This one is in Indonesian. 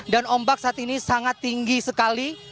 dan ombak saat ini sangat tinggi sekali